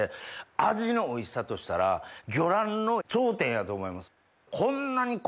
味のおいしさとしたら魚卵の頂点やと思います。